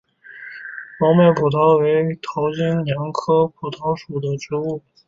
毛脉蒲桃为桃金娘科蒲桃属的植物。